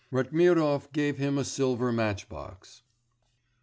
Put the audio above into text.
Ratmirov gave him a silver matchbox.